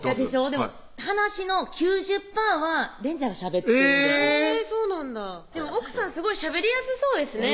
でも話の９０％は連ちゃんがしゃべってるんですそうなんだでも奥さんすごいしゃべりやすそうですね